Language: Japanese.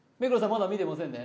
まだ見てませんね